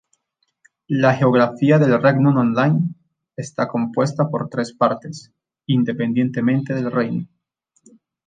La geografía de Regnum Online está compuesta por tres partes, independientemente del reino.